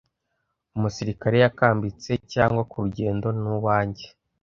Umusirikare yakambitse cyangwa ku rugendo ni uwanjye,